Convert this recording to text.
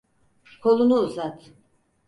Kolunu uzat.